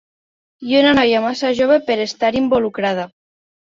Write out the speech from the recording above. I una noia massa jove per estar-hi involucrada!